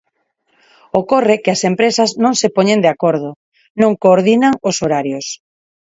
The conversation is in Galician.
Ocorre que as empresas non se poñen de acordo, non coordinan os horarios.